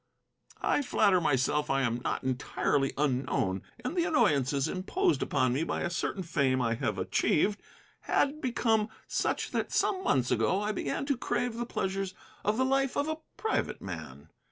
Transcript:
"I flatter thyself I am not entirely unknown. And the annoyances imposed upon me by a certain fame I have achieved had become such that some months ago I began to crave the pleasures of the life of a private man.